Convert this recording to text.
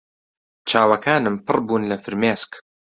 چاوەکانم پڕ بوون لە فرمێسک.